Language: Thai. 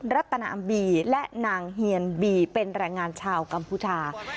รัตนาอัมบีและนางเฮียนบีเป็นแรงงานชาวกัมพูชา